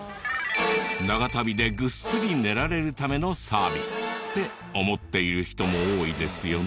長旅でぐっすり寝られるためのサービスって思っている人も多いですよね。